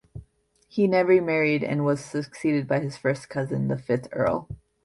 He never married and was succeeded by his first cousin, the fifth Earl.